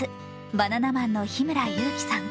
バナナマンの日村勇紀さん。